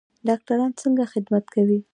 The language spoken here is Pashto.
ډاکټران څنګه خدمت کوي؟